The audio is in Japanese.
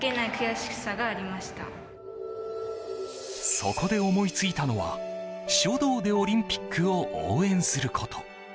そこで思いついたのは書道でオリンピックを応援すること。